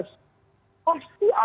pasti akan begitu mbak maman